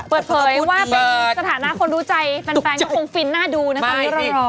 เปิดเผยว่าเป็นสถานะคนรู้ใจแฟนก็คงฟินหน้าดูนะคะไม่รอ